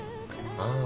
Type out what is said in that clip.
ああ。